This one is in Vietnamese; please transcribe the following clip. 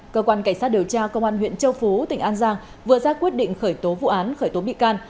cơ quan cảnh sát điều tra công an huyện châu phú tỉnh an giang vừa ra quyết định khởi tố vụ án khởi tố bị can